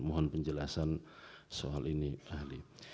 mohon penjelasan soal ini pak ahli